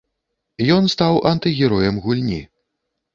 Ён стаў антыгероем гульні.